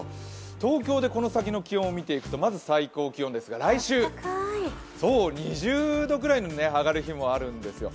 東京でこの先の気温を見ていくとまず最高気温ですが来週、２０度ぐらいに上がる日もあるんですよ。